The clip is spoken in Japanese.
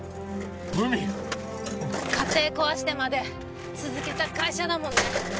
海家庭壊してまで続けた会社だもんね